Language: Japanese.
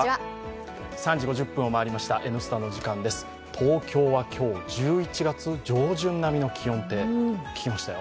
東京は今日、１１月上旬並みの気温と聞きましたよ。